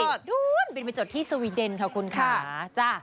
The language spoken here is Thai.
นู้นบินไปจดที่สวีเดนค่ะคุณค่ะ